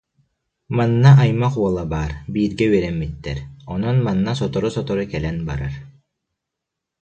Манна аймах уола баар, бииргэ үөрэммиттэр, онон манна сотору-сотору кэлэн барар